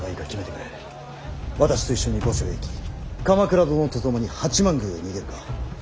私と一緒に御所へ行き鎌倉殿と共に八幡宮へ逃げるか。